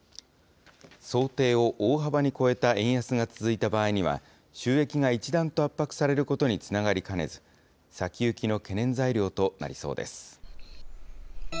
想定を大幅に超えた円安が続いた場合には、収益が一段と圧迫されることにつながりかねず、先行きの懸念材料となりそうです。